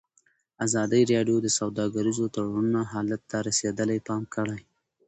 ازادي راډیو د سوداګریز تړونونه حالت ته رسېدلي پام کړی.